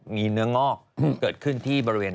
มีเนื้องอกเกิดขึ้นที่บริเวณ